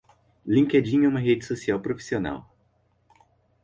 LinkedIn é uma rede social profissional.